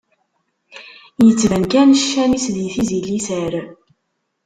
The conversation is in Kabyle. Ittban kan ccan-is di tizi n liser.